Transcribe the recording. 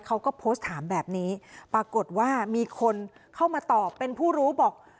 เขาก็โพสต์ถามแบบนี้ปรากฏว่ามีคนเข้ามาตอบเป็นผู้รู้บอก